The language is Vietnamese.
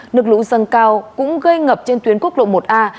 nước lũ dâng cao cũng gây ngập trên tuyến quốc lộ một a